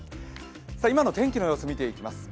今の天気の様子をみていきます。